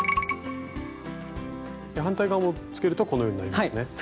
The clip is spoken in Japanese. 反対側もつけるとこのようになりますね。